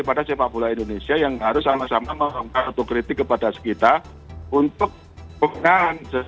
pesel pupullah indonesia yang harus sama sama mem deception pada siten batas kita untuk tunggal jual mbak